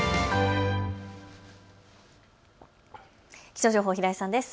気象情報、平井さんです。